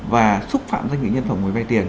và xúc phạm doanh nghiệp nhân phẩm người vai tiền